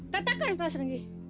katakan pak serenggi